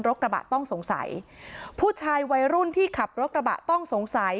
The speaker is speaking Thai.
กระบะต้องสงสัยผู้ชายวัยรุ่นที่ขับรถกระบะต้องสงสัย